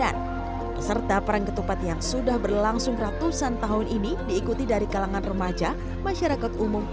tempat yang sudah berlangsung ratusan tahun ini diikuti dari kalangan remaja masyarakat umum